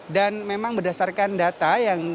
dan memang berdasarkan data yang